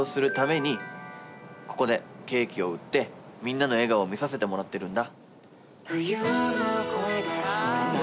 ここでケーキを売ってみんなの笑顔を見させてもらってるんだ。